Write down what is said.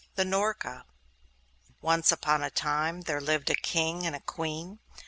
THE NORKA Once upon a time there lived a King and Queen.